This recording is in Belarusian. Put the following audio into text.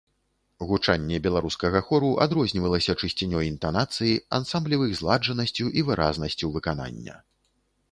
Гучанне беларускага хору адрознівалася чысцінёй інтанацыі, ансамблевых зладжанасцю і выразнасцю выканання.